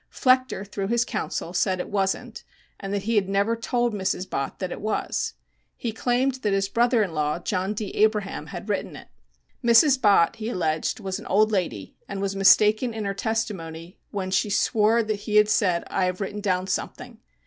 Flechter through his counsel said it wasn't, and that he had never told Mrs Bott that it was. He claimed that his brother in law, John D. Abraham, had written it. Mrs. Bott, he alleged, was an old lady and was mistaken in her testimony when she swore that he had said, "I have written down something."